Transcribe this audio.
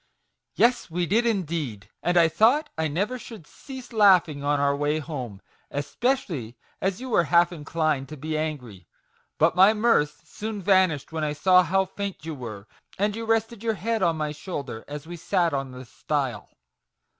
"Yes, we did indeed; and I thought I never should cease laughing on our way home, especially as you were half inclined to be angry ! 26 MAGIC WORDS. But my mirth soon vanished when I saw how faint you were, and you rested your head on my shoulder as we sat on the stile.